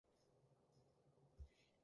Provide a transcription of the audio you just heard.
好忙好忙